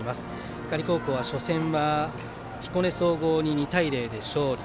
光高校は初戦は彦根総合に２対０で勝利。